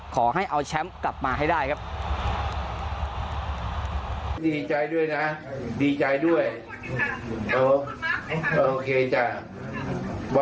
ขอให้เอาแชมป์กลับมาให้ได้ครับ